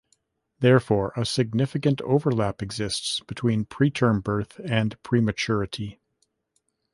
Therefore, a significant overlap exists between preterm birth and prematurity.